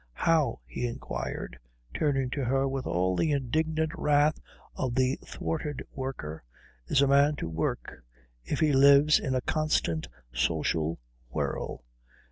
How," he inquired, turning to her with all the indignant wrath of the thwarted worker, "is a man to work if he lives in a constant social whirl?"